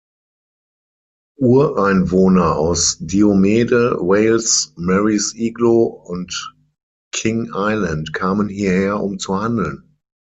Ureinwohner aus Diomede, Wales, Mary's Igloo und King Island kamen hierher um zu handeln.